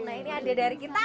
nah ini ada dari kita